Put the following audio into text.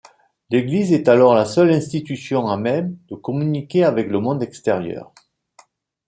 L’Église est alors la seule institution à même de communiquer avec le monde extérieur.